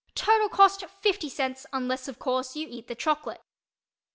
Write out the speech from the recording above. Total cost—.50, unless, of course, you eat the chocolate.